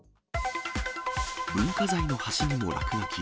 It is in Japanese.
文化財の橋にも落書き。